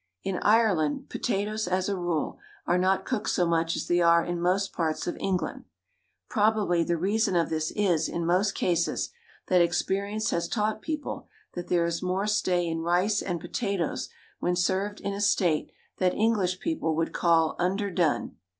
In Ireland potatoes, as a rule, are not cooked so much as they are in most parts of England. Probably the reason of this is, in most cases, that experience has taught people that there is more stay in rice and potatoes when served in a state that English people would call "under done."